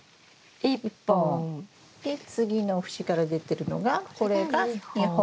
で次の節から出てるのがこれが２本。